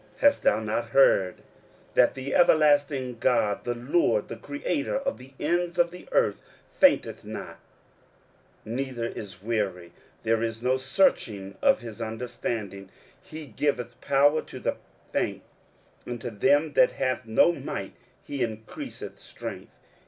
hast thou not heard, that the everlasting God, the LORD, the Creator of the ends of the earth, fainteth not, neither is weary? there is no searching of his understanding. 23:040:029 He giveth power to the faint; and to them that have no might he increaseth strength.